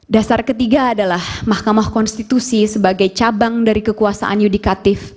dasar ketiga adalah mahkamah konstitusi sebagai cabang dari kekuasaan yudikatif